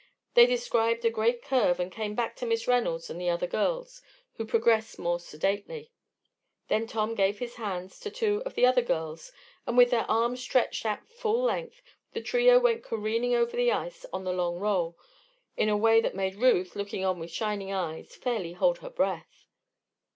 They described a great curve and came back to Miss Reynolds and the other girls, who progressed more sedately. Then Tom gave his hands to two of the older girls and with their arms stretched at full length the trio went careening over the ice on the "long roll" in a way that made Ruth, looking on with shining eyes, fairly hold her breath.